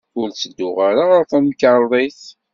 Ur ttedduɣ ara ɣer temkarḍit.